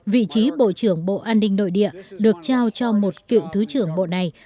vị trí bộ trưởng bộ an ninh nội địa được trao cho một cựu thứ trưởng bộ này